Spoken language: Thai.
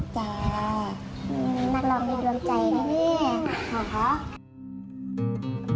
จ้าครับมีความหวังในดวงใจนะคะขอ